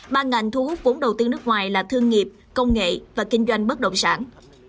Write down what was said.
ba ngành thu hút vốn đầu tư nước ngoài là thương nghiệp công nghệ và kinh doanh bất động sản